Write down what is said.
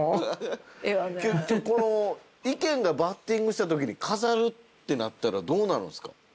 意見がバッティングしたときに飾るってなったらどうなるんすか？